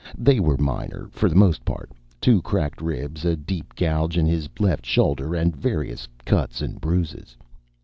They were minor, for the most part; two cracked ribs, a deep gouge in his left shoulder, and various cuts and bruises.